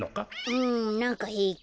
うんなんかへいき。